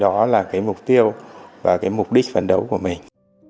đó là cái mục tiêu và cái mục đích phấn đấu của mình